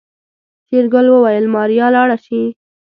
شېرګل وويل ماريا لاړه شي.